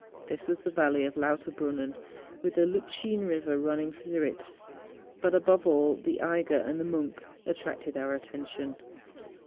This was the Valley of Lauterbrunnen, with the Lutschine river running through it. But, above all, the Eiger and the Monch attracted our attention.